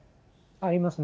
ありますね。